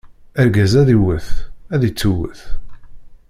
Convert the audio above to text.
Argaz ad iwwet, ad ittuwwet.